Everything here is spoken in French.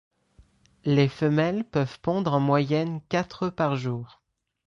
Les femelles peuvent pondre en moyenne quatre œufs par jour.